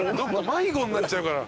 迷子になっちゃうから。